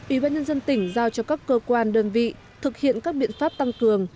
ubnd tỉnh giao cho các cơ quan đơn vị thực hiện các biện pháp tăng cường